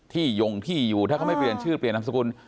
ที่ยงที่อยู่ถ้าเขาก็ไม่เปลี่ยนชื่อเปลี่ยนนักศึกษาคุณ